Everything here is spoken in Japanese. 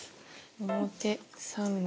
表３目。